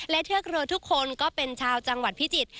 และเทือกเรือทุกคนก็เป็นชาวจังหวัดพิจิตร